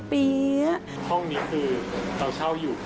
ห้องนี้คือเราเช่าอยู่